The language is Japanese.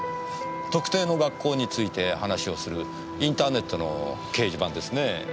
特定の学校について話をするインターネットの掲示板ですね。